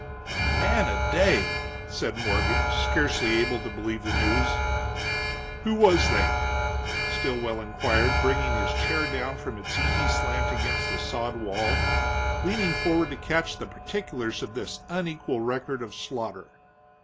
"A man a day!" said Morgan, scarcely able to believe the news. "Who was they?" Stilwell inquired, bringing his chair down from its easy slant against the sod wall, leaning forward to catch the particulars of this unequaled record of slaughter.